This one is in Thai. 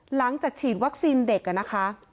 หลังจากฉีดวัคซีนเด็กนะคะ